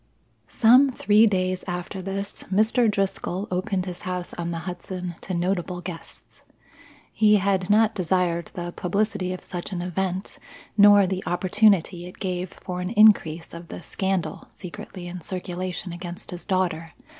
Some three days after this Mr. Driscoll opened his house on the Hudson to notable guests. He had not desired the publicity of such an event, nor the opportunity it gave for an increase of the scandal secretly in circulation against his daughter.